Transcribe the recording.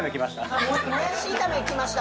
もやし炒めきました。